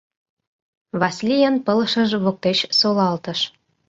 — Васлийын пылышыж воктеч солалтыш.